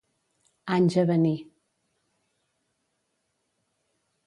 Anys a venir.